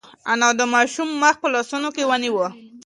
انا د ماشوم مخ په لاسونو کې ونیو.